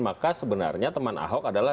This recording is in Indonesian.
maka sebenarnya teman ahok adalah